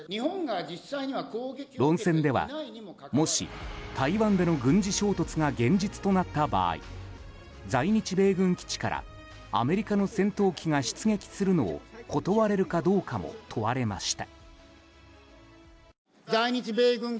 論戦では、もし台湾での軍事衝突が現実となった場合在日米軍基地からアメリカの戦闘機が出撃するのを断れるかどうかも問われました。